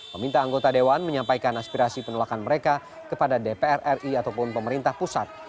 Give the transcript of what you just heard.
meminta anggota dewan menyampaikan aspirasi penolakan mereka kepada dpr ri ataupun pemerintah pusat